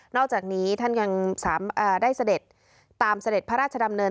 อกจากนี้ท่านยังได้เสด็จตามเสด็จพระราชดำเนิน